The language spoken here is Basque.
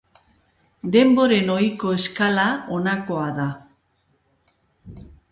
Denboren ohiko eskala honakoa da.